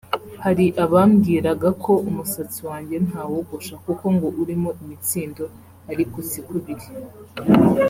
“Hari abambwiraga ko umusatsi wanjye ntawogosha kuko ngo urimo imitsindo ariko siko biri